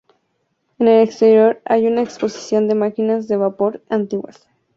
En el exterior hay una exposición de máquinas de vapor antiguas.